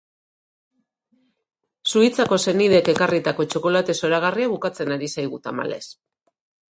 Suizako senideek ekarritako txokolate zoragarria bukatzen ari zaigu, tamalez.